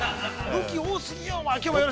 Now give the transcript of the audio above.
武器多過ぎよ。